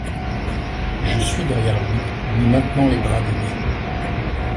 Je suis derrière lui, lui maintenant les bras des miens.